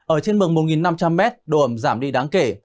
ở trên mực một năm trăm linh m độ ẩm giảm đi đáng kể